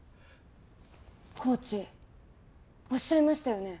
コーチおっしゃいましたよね